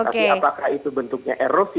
tapi apakah itu bentuknya erosi